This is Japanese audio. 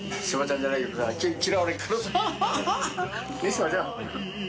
島ちゃん。